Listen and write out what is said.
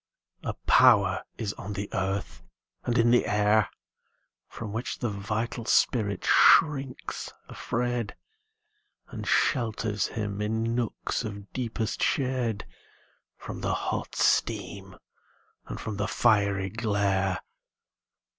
A power is on the earth and in the air From which the vital spirit shrinks afraid, And shelters him, in nooks of deepest shade, From the hot steam and from the fiery glare.